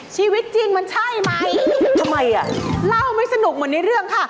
ชีวิตจริงมันใช่ไหมทำไมอ่ะเล่าไม่สนุกเหมือนในเรื่องค่ะ